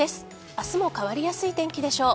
明日も変わりやすい天気でしょう。